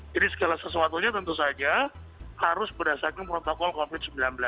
jadi segala sesuatunya tentu saja harus berdasarkan protokol covid sembilan belas